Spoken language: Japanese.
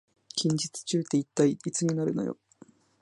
近日中って一体いつになるのよ